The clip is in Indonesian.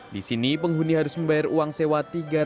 disini penghuni harus membayar uang sewa